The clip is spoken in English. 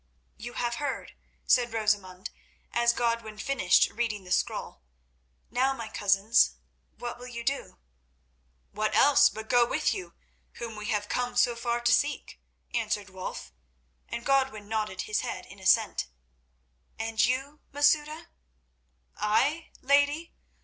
"You have heard," said Rosamund, as Godwin finished reading the scroll. "Now, my cousins, what will you do?" "What else but go with you, whom we have come so far to seek?" answered Wulf, and Godwin nodded his head in assent. "And you, Masouda?" "I, lady?